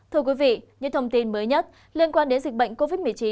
thưa quý vị những thông tin mới nhất liên quan đến dịch bệnh covid một mươi chín